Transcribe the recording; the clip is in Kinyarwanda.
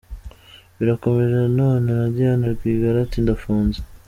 Birakomeje none na Diane Rwigara ati ndafunze!